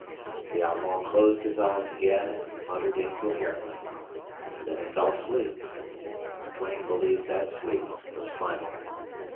The outlaw closed his eyes again and muttered incoherently. Then he fell asleep. Duane believed that sleep was final.